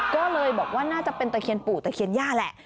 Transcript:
ก็เลยบอกว่าน่าจะเป็นตะเคียนปู่ตะเคียนย่าแหละ